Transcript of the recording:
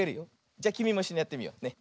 じゃきみもいっしょにやってみようね。